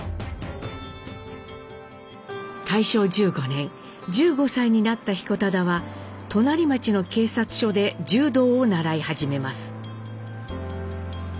大正１５年１５歳になった彦忠は隣町の警察署で柔道を習い始めます。